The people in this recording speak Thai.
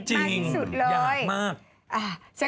จริงหยากมาก